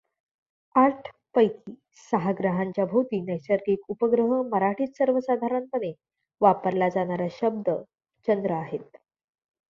आठ पैकी सहा ग्रहांच्या भोवती नैसर्गिक उपग्रह मराठीत सर्वसाधारणपणे वापरला जाणारा शब्द चंद्र आहेत.